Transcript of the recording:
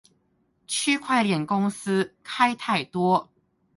區塊鏈公司開太多